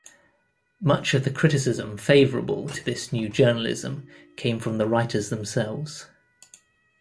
Much of the criticism favorable to this New Journalism came from the writers themselves.